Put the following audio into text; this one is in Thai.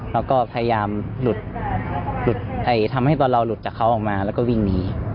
แล้วก็พยายามทำให้ตอนเราหลุดจากเขาออกมาแล้วก็วิ่งหนี